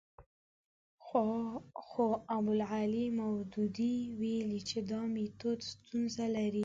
خو ابوالاعلی مودودي ویلي چې دا میتود ستونزه لري.